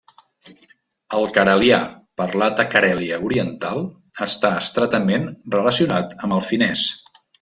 El carelià, parlat a Carèlia oriental, està estretament relacionat amb el finès.